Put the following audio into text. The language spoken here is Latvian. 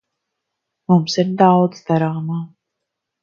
Mums ir daudz darāmā.